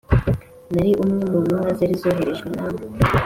nari umwe mu ntumwa zari zoherejwe n'ammwe